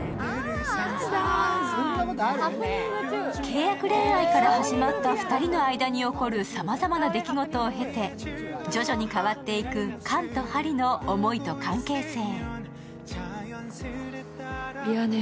契約恋愛から始まった２人の間に起こるさまざまな出来事を経て徐々に変わっていく、カンとハリの思いと関係性。